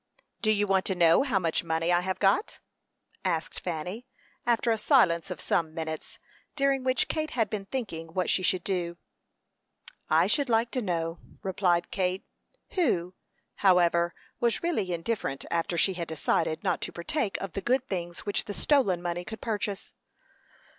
"Do you want to know how much money I have got?" asked Fanny, after a silence of some minutes, during which Kate had been thinking what she should do. "I should like to know," replied Kate, who, however, was really indifferent after she had decided not to partake of the good things which the stolen money could purchase.